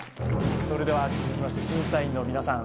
それでは続きまして審査員の皆さん